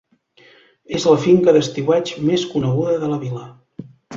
És la finca d'estiueig més coneguda de la vila.